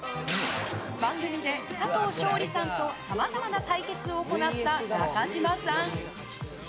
番組で佐藤勝利さんとさまざまな対決を行った中島さん。